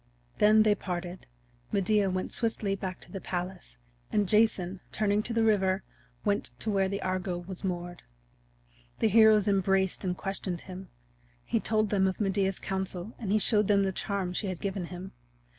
Then they parted; Medea went swiftly back to the palace, and Jason, turning to the river, went to where the Argo was moored. The heroes embraced and questioned him; he told them of Medea's counsel and he showed them the charm she had given him.